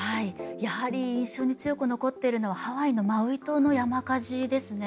やはり印象に強く残ってるのはハワイのマウイ島の山火事ですね。